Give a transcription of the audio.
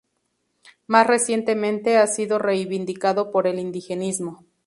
Más recientemente, ha sido reivindicado por el indigenismo.